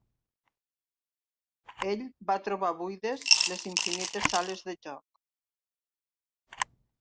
Ell va trobar buides les infinites sales de joc!